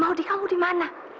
mau dikamu di mana